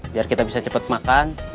biar kita bisa cepat makan